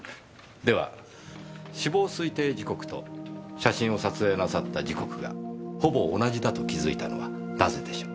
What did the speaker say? では死亡推定時刻と写真を撮影なさった時刻がほぼ同じだと気づいたのはなぜでしょう？